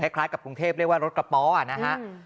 คล้ายกับกรุงเทพเรียกว่ารถกระป๋อนะฮะ